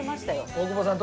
大久保さん